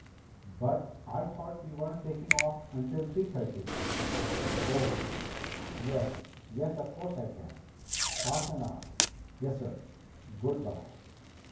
... But I thought we weren't taking off until three thirty. ... Oh? ... Yes. ... Yes, of course I can. ... Half an hour. ... Yes, sir. Good by."